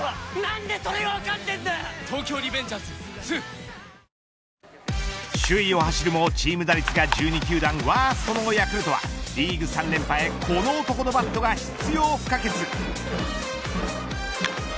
解説で、元日本代表の福澤さんも驚がくの歴史的快挙で首位を走るもチーム打率が１２球団ワーストのヤクルトは、リーグ３連覇へこの男のバットが必要不可欠。